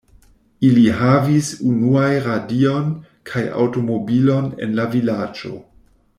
Ili havis unuaj radion kaj aŭtomobilon en la vilaĝo.